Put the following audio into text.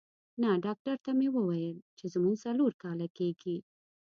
نه، ډاکټر ته مې وویل چې زموږ څلور کاله کېږي.